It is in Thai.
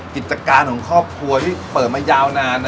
กิจการของครอบครัวที่เปิดมายาวนาน